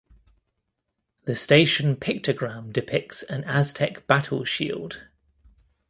The station pictogram depicts an Aztec battle shield.